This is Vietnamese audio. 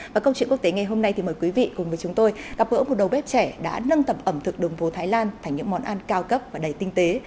và câu chuyện quốc tế ngày hôm nay thì mời quý vị cùng với chúng tôi gặp gỡ một đầu bếp trẻ đã nâng tầm ẩm thực đường phố thái lan thành những món ăn cao cấp và đầy tinh tế